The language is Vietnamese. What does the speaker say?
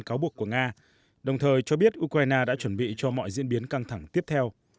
cáo buộc của nga đồng thời cho biết ukraine đã chuẩn bị cho mọi diễn biến căng thẳng tiếp theo